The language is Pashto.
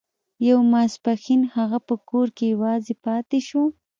يو ماسپښين هغه په کور کې يوازې پاتې شو.